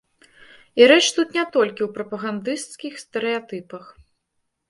І рэч тут не толькі ў прапагандысцкіх стэрэатыпах.